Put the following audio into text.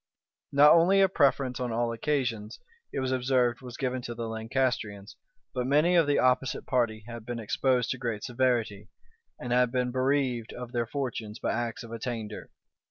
Not only a preference on all occasions, it was observed, was given to the Lancastrians, but many of the opposite party had been exposed to great severity, and had been bereaved of their fortunes by acts of attainder.